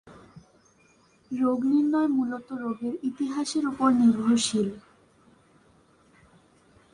রোগনির্ণয় মূলত রোগের ইতিহাসের উপর নির্ভরশীল।